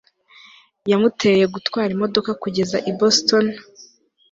yamuteye gutwara imodoka kugeza i boston